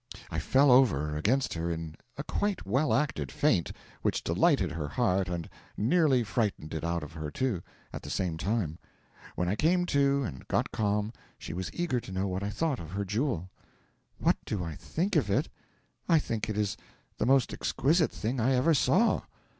I fell over against her in a quite well acted faint, which delighted her heart and nearly frightened it out of her, too, at the same time. When I came to and got calm, she was eager to know what I thought of her jewel. 'What do I think of it? I think it is the most exquisite thing I ever saw.'